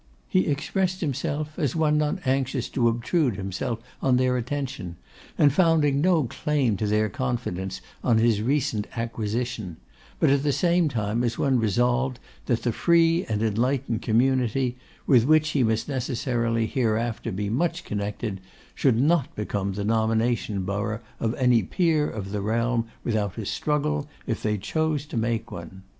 He expressed himself as one not anxious to obtrude himself on their attention, and founding no claim to their confidence on his recent acquisition; but at the same time as one resolved that the free and enlightened community, with which he must necessarily hereafter be much connected, should not become the nomination borough of any Peer of the realm without a struggle, if they chose to make one.